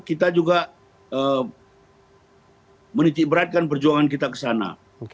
kita juga menitibatkan perjuangan kita ke sana